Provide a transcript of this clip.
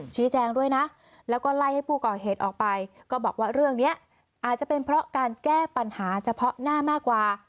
ชี้แจงด้วยนะแล้วก็ไล่ให้ผู้ก่อเหตุออกไปก็บอกว่าเรื่องนี้อาจจะเป็นเพราะการแก้ปัญหาเฉพาะหน้ามากกว่า